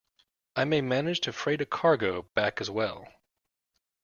I may manage to freight a cargo back as well.